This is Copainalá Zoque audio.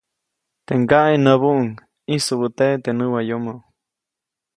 Teʼ ŋgaʼe näbuʼuŋ -ʼĩsubäteʼe teʼ näwayomo-.